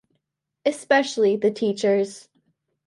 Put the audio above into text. Especially the teachers.